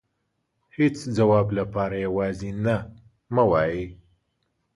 هيچ ځواب لپاره يوازې نه مه وايئ .